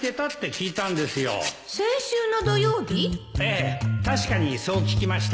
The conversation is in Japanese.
ええ確かにそう聞きました